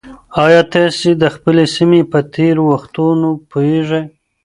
ایا تاسي د خپلې سیمې په تېرو وختونو پوهېږئ؟